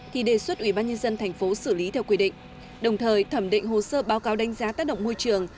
thì đề xuất ubnd tp xử lý theo quy định đồng thời thẩm định hồ sơ báo cáo đánh giá tác động môi trường